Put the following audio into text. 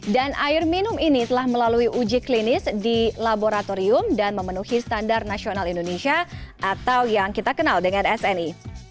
dan air minum ini telah melalui uji klinis di laboratorium dan memenuhi standar nasional indonesia atau yang kita kenal dengan sni